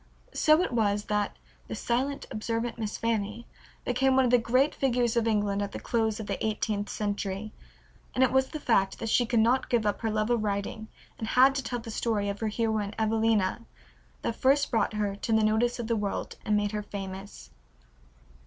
So it was that "the silent, observant Miss Fanny" became one of the great figures of England at the close of the eighteenth century, and it was the fact that she could not give up her love of writing and had to tell the story of her heroine Evelina that first brought her to the notice of the world and made her famous.